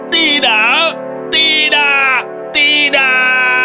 tidak tidak tidak